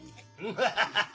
ハハハハ。